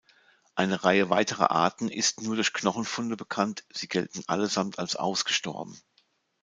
Eine Reihe weiterer Arten ist nur durch Knochenfunde bekannt, sie gelten allesamt als ausgestorben.